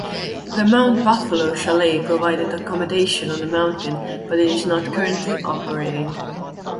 The Mount Buffalo Chalet provided accommodation on the mountain but is not currently operating.